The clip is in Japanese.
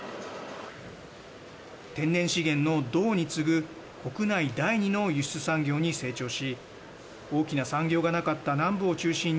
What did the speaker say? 天然資源の銅に次ぐ国内第２の輸出産業に成長し大きな産業がなかった南部を中心に